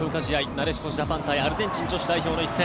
なでしこジャパン対アルゼンチン女子代表の試合。